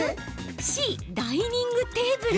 Ｃ・ダイニングテーブル？